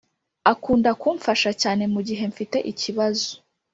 akunda kumfasha cyne mu gihe mfite ikibazo